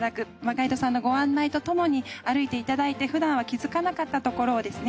ガイドさんのご案内とともに歩いていただいて普段は気づかなかったところをですね